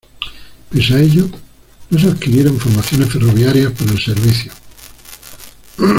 Pese a ello, no se adquirieron formaciones ferroviarias para el servicio.